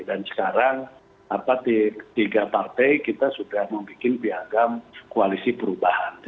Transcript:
dan sekarang di tiga partai kita sudah membuat piagam koalisi perubahan